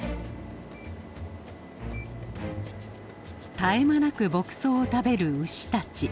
絶え間なく牧草を食べる牛たち。